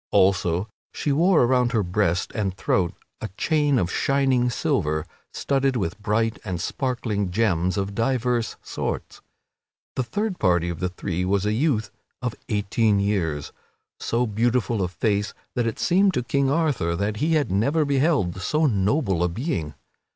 Also she wore around her breast and throat a chain of shining silver studded with bright and sparkling gems of divers sorts. The third party of the three was a youth of eighteen years, so beautiful of face that it seemed to King Arthur that he had never beheld so noble a being.